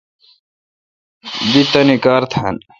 دی تانی کار تھان۔